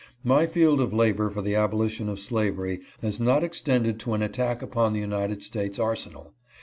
My field of labor for the abolition of slavery has not extended to an attack upon the United States arsenal.